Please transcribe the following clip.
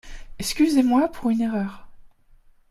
Excusez-moi pour une erreur.